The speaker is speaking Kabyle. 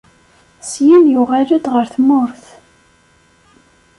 Syin yuɣal-d ɣer tmurt.